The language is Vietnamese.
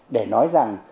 để nói rằng